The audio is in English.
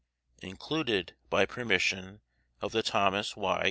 Included by permission of the Thomas Y.